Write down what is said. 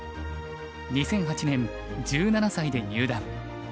２００８年１７歳で入段。